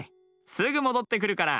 すぐもどってくるから。